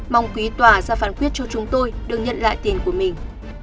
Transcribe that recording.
mong quý tòa ra phán quyết cho chúng tôi được nhận lại tiền của mình